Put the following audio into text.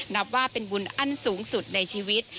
นับว่าเป็นบุญอันสูงสุดในชีวิต